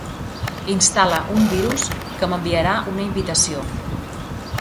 Instal·la un virus que m'enviarà una invitació.